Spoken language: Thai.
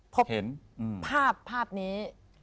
พบภาพภาพนี้